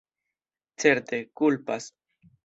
Certe, kulpas!